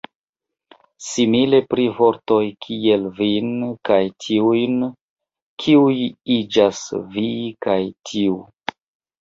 Simile pri vortoj kiel "vin" kaj "tiujn", kiuj iĝas "vi" kaj "tiu".